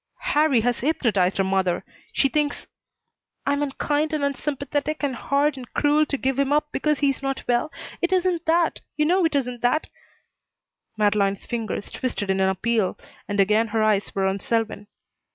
Harrie has hypnotized her mother. She thinks " "I'm unkind and unsympathetic and hard and cruel to give him up because he is not well. It isn't that. You know it isn't that " Madeleine's fingers twisted in appeal and again her eyes were on Selwyn.